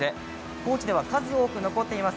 高知では数多く残っています。